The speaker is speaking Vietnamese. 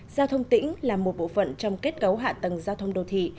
giao thông tỉnh là một bộ phận trong kết cấu hạ tầng giao thông đô thị